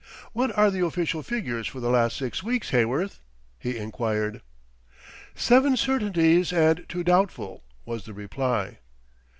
"What are the official figures for the last six weeks, Heyworth?" he enquired. "Seven certainties and two doubtful," was the reply.